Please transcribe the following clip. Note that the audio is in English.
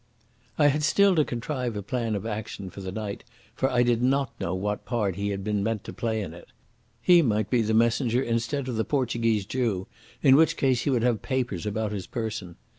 I had still to contrive a plan of action for the night, for I did not know what part he had been meant to play in it. He might be the messenger instead of the Portuguese Jew, in which case he would have papers about his person.